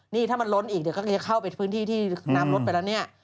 นี่ถ้ามันลดอีกก็คงจะเข้าไปพื้นที่ที่นำลดไปแล้ว